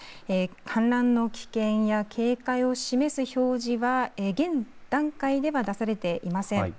氾濫の危険や警戒を示す表示は現段階では出されていません。